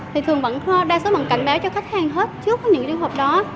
thì thường vẫn đa số vẫn cảnh báo cho khách hàng hết trước những điêu hợp đó